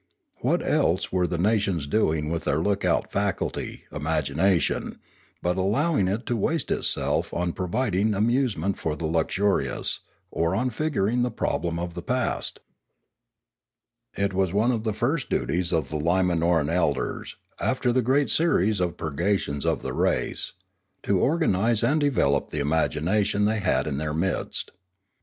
What else were the nations doing with their lookout faculty, imagination, but allowing it to waste itself on providing amusement for the luxurious, or on figuring the problem of the past ? It was one of the first duties of the Limanoran elders, 438 Limanora after the great series of purgations of the race, to or ganise and develop the imagination they had in their midst.